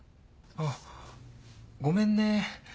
あっごめんね。